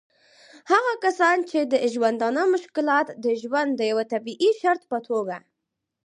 هغه کسان چې د ژوندانه مشکلات د ژوند د یوه طبعي شرط په توګه